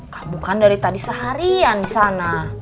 kamu kan dari tadi seharian di sana